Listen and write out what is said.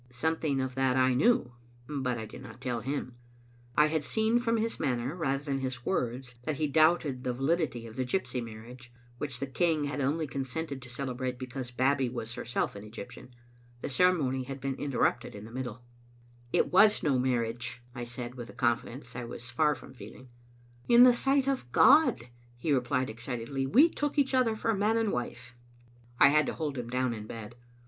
Something of that I knew, but I did not tell him. I had seen from his manner rather than his words that he doubted the validity of the gypsy marriage, which the king had only consented to celebrate because Bab bie was herself an Egyptian. The ceremony had been interrupted in the middle. Digitized by VjOOQ IC JSbc aien at JSteali of 9a^. 2f» '^ It was no marriage," I said, with a confidence I was far from feeling. " In the sight of God," he replied excitedly, " we took each other for man and wife. " I had to hold him down in bed.